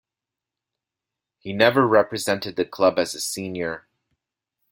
He never represented the club as a senior.